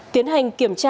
tiến hành kiểm tra xe máy